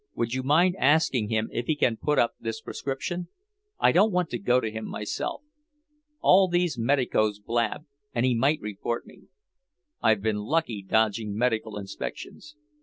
Would you mind asking him if he can put up this prescription? I don't want to go to him myself. All these medicos blab, and he might report me. I've been lucky dodging medical inspections.